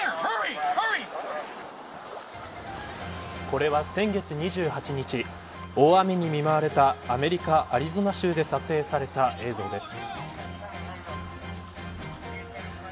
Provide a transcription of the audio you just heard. これは先月２８日大雨に見舞われたアメリカアリゾナ州で撮影された映像です。